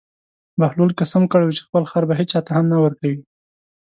بهلول قسم کړی و چې خپل خر به هېچا ته هم نه ورکوي.